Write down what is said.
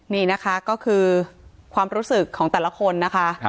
นี่นะคะก็คือความรู้สึกของแต่ละคนนะคะ